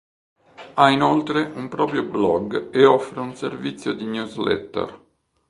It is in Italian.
Ha inoltre un proprio blog e offre un servizio di newsletter.